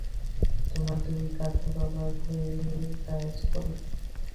তোমরা দুই গাধা বাবার হয়ে কাজ করো?